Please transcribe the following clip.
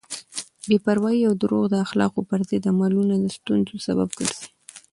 بې پروایی او دروغ د اخلاقو پر ضد عملونه د ستونزو سبب ګرځي.